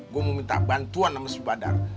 gue mau minta bantuan sama si badar